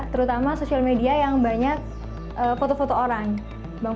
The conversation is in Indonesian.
terutama sosial media yang banyak foto foto orang